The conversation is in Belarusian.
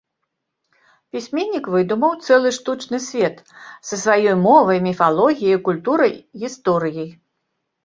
Пісьменнік выдумаў цэлы штучны свет, са сваёй мовай, міфалогіяй, культурай, гісторыяй.